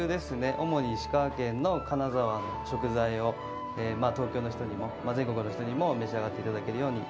主に石川県の金沢の食材を、東京の人にも、全国の人にも召し上がっていただけるように。